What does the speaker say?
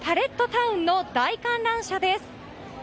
タウンの大観覧車です。